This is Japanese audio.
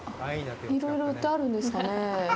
いろいろ売ってあるんですかねぇ。